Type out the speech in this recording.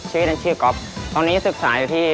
ชื่อหนึ่งชื่อก๊อฟตอนนี้ศึกษาอยู่ที่